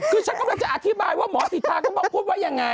ก็จะอธิบายว่าหมอสิทธาคุณพูดไว้อย่างไง